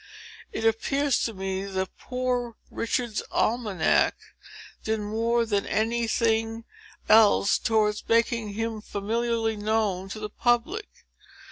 It appears to me that Poor Richard's Almanac did more than any thing else towards making him familiarly known to the public.